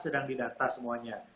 sedang didata semuanya